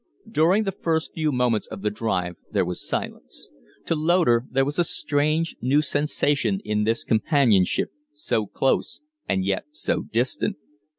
During the first few moments of the drive there was silence. To Loder there was a strange, new sensation in this companionship, so close and yet so distant.